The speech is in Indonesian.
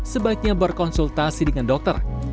sebaiknya berkonsultasi dengan dokter